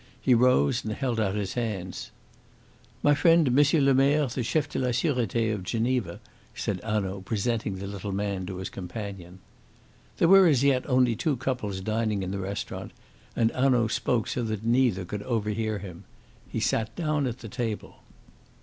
He rose and held out his hands. "My friend, M. Lemerre, the Chef de la Surete of Geneva," said Hanaud, presenting the little man to his companion. There were as yet only two couples dining in the restaurant, and Hanaud spoke so that neither could overhear him. He sat down at the table.